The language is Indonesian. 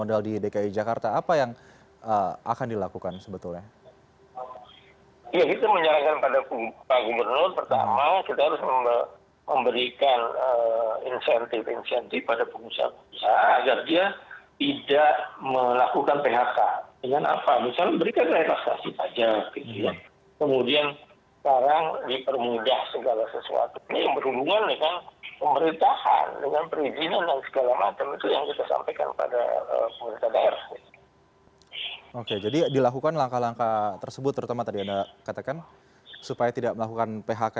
oke jadi dilakukan langkah langkah tersebut terutama tadi anda katakan supaya tidak melakukan phk